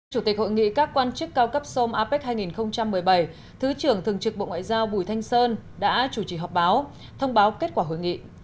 chủ tịch hội nghị các quan chức cao cấp som apec hai nghìn một mươi bảy thứ trưởng thường trực bộ ngoại giao bùi thanh sơn đã chủ trì họp báo thông báo kết quả hội nghị